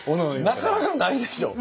なかなかないでしょ